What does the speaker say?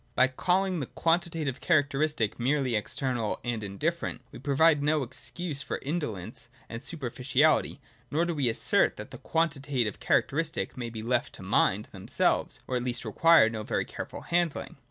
By calling the quantitative characteristic merely external and indifferent, we provide no excuse for indolence and superficiality, nor do we assert that quantitative characteristics may be left to mind themselves, or at least require no very careful handling.